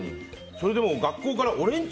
それでも学校から俺んち